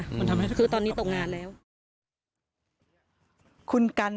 เหตุการณ์เกิดขึ้นแถวคลองแปดลำลูกกา